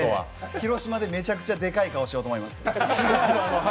広島でめちゃくちゃでかい顔しようと思います。